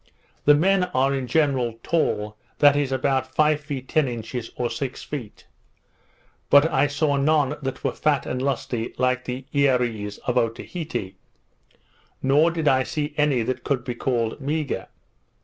The men are in general tall, that is, about five feet ten inches, or six feet; but I saw none that were fat and lusty like the Earees of Otaheite; nor did I see any that could be called meagre.